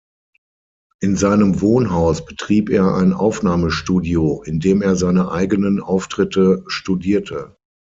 In seinem Wohnhaus betrieb er ein Aufnahmestudio, in dem er seine eigenen Auftritte studierte.